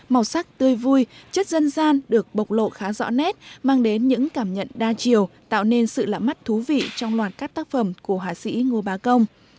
màu sắc tươi vui chất dân gian được bộc lộ khá rõ nét mang đến những cảm nhận đa chiều tạo nên sự lạ mắt thú vị trong loạt các tác phẩm của họa sĩ ngô bá công